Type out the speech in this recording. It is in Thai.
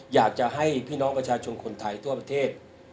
อยากจะให้พี่น้องประชาชนคนไทยทั่วประเทศ